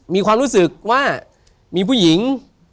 มีความรู้สึกว่ามีผู้หญิง